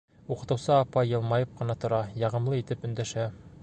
Уҡытыусы апай йылмайып ҡына тора, яғымлы итеп өндәшә.